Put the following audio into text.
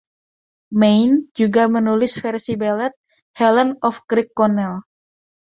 Mayne juga menulis versi balad, "Helen of Kirkconnel".